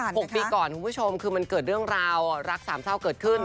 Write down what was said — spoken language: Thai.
หกปีก่อนคุณผู้ชมคือมันเกิดเรื่องราวรักสามเศร้าเกิดขึ้น